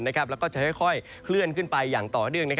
แล้วก็จะค่อยเคลื่อนขึ้นไปอย่างต่อเนื่อง